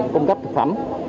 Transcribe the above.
cung cấp thực phẩm